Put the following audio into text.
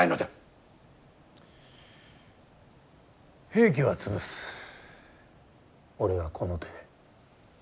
平家は潰す俺がこの手で。